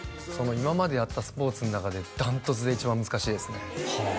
今までやったスポーツの中で断トツで一番難しいですねはあ